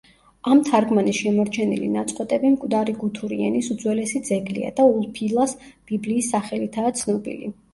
ამ თარგმანის შემორჩენილი ნაწყვეტები მკვდარი გუთური ენის უძველესი ძეგლია და ულფილას ბიბლიის სახელითაა ცნობილი.